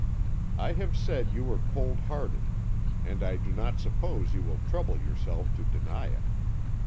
"I have said you were cold hearted, and I do not suppose you will trouble yourself to deny it.